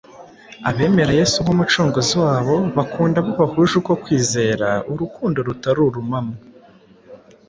Abemera Yesu nk’Umucunguzi wabo bakunda abo bahuje uko kwizera urukundo rutari urumamo.